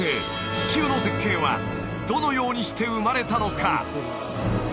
地球の絶景はどのようにして生まれたのか？